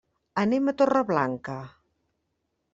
Anem a Torreblanca.